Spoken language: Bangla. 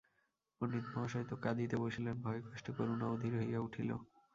পণ্ডিতমহাশয় তো কাঁদিতে বসিলেন, ভয়ে কষ্টে করুণা অধীর হইয়া উঠিল।